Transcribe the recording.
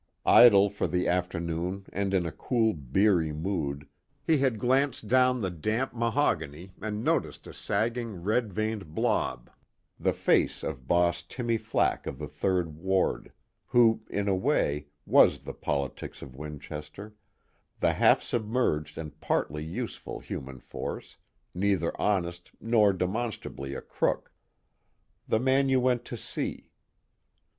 Idle for the afternoon and in a cool beery mood, he had glanced down the damp mahogany and noticed a sagging red veined blob, the face of Boss Timmy Flack of the Third Ward who, in a way, was the politics of Winchester, the half submerged and partly useful human force, neither honest nor demonstrably a crook, The Man You Went To See.